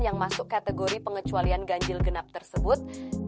yang masuk kategori pengecualian ganjil genap tersebut